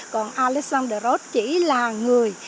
còn alessandro chỉ là người